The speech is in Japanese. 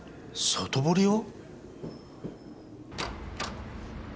外堀を？